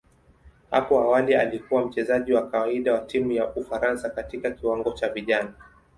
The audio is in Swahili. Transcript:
Hapo awali alikuwa mchezaji wa kawaida wa timu ya Ufaransa katika kiwango cha vijana.